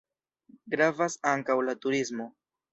Gravas ankaŭ la turismo.